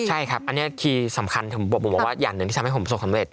ใช่ครับอันนี้คือสำคัญผมบอกว่าอย่างหนึ่งที่ทำให้ผมประสบความเร็